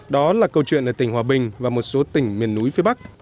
đó là câu chuyện ở tỉnh hòa bình và một số tỉnh miền núi phía bắc